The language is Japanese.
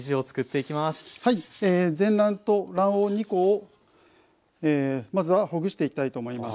全卵と卵黄２コをまずはほぐしていきたいと思います。